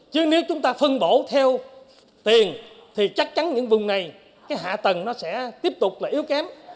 chứ nếu chúng ta phân bổ theo tiền thì chắc chắn những vùng này cái hạ tầng nó sẽ tiếp tục là yếu kém